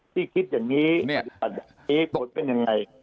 ที่คิดอย่างนี้เป็นยังไง